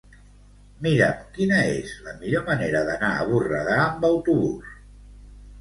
Mira'm quina és la millor manera d'anar a Borredà amb autobús.